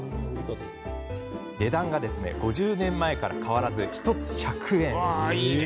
値段が、５０年前から変わらず１つ１００円。